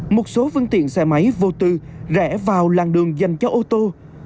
một số phương tiện xe máy vô tư rẽ vào làng đường dành cho ô tô